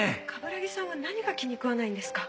鏑木さんは何が気に食わないんですか？